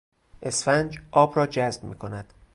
اسفنج، آب را جذب میکند.